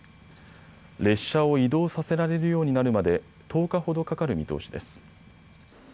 列車を移動させられるようになるまで１０日ほどかかる見通しです。